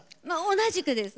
同じくです。